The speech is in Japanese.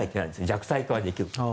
弱体化はできるけど。